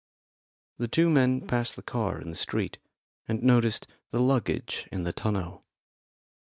The two men passed the car in the street, and noticed the luggage in the tonneau.